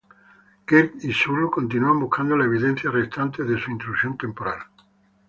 Kirk y Sulu continúan buscando la evidencia restante de su intrusión temporal.